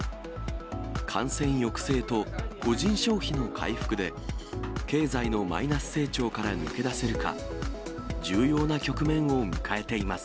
感染抑制と個人消費の回復で、経済のマイナス成長から抜け出せるか、重要な局面を迎えています。